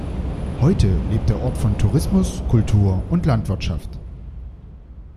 Heute lebt der Ort von Tourismus, Kultur und Landwirtschaft.